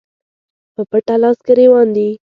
په پټه لاس ګرېوان دي